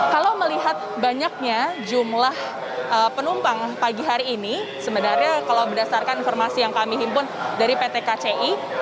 kalau melihat banyaknya jumlah penumpang pagi hari ini sebenarnya kalau berdasarkan informasi yang kami himpun dari pt kci